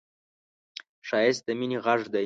ښایست د مینې غږ دی